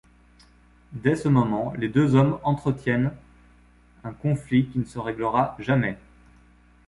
Dès ce moment, les deux hommes entretiennent un conflit qui ne se règlera jamais.